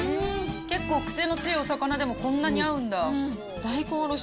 結構癖の強いお魚でも、こんなに合うんだ。